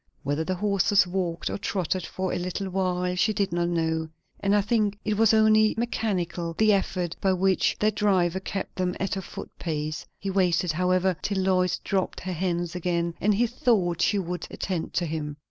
Whether the horses walked or trotted for a little while she did not know; and I think it was only mechanical, the effort by which their driver kept them at a foot pace. He waited, however, till Lois dropped her hands again, and he thought she would attend to him.